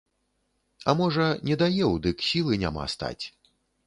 А можа, недаеў, дык сілы няма стаць.